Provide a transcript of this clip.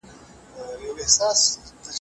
ایا افغان سوداګر وچ زردالو ساتي؟